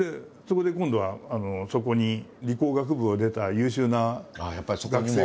そこで今度はそこに理工学部を出た優秀な学生が。